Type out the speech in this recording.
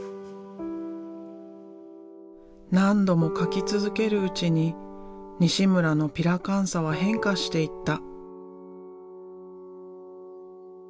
何度も描き続けるうちに西村のピラカンサは変化していった。